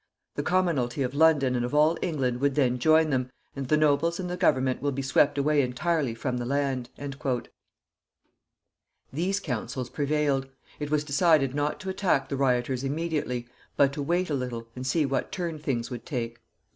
The commonalty of London and of all England would then join them, and the nobles and the government will be swept away entirely from the land." These counsels prevailed. It was decided not to attack the rioters immediately, but to wait a little, and see what turn things would take.